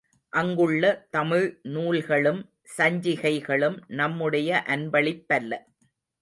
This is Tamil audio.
அங்குள்ள தமிழ் நூல்களும் சஞ்சிகைகளும் நம்முடைய அன்பளிப்பல்ல.